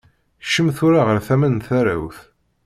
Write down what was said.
Kcem tura ɣer tama n tarawt.